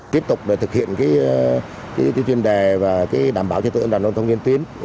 tiếp tục thực hiện chuyên đề và đảm bảo trực tự an toàn giao thông liên tuyến